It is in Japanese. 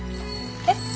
えっ？